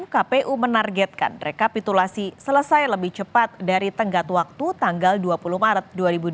kpu menargetkan rekapitulasi selesai lebih cepat dari tenggat waktu tanggal dua puluh maret dua ribu dua puluh